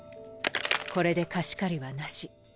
これで貸し借りはなし。